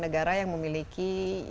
negara yang memiliki